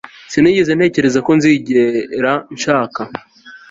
Sinigeze ntekereza ko nzigera nshaka